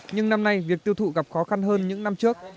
nhưng năm nay việc tiêu thụ gặp khó khăn hơn những năm trước